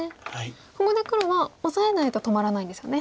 ここで黒はオサえないと止まらないんですよね。